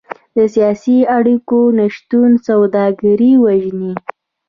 د سیاسي اړیکو نشتون سوداګري وژني.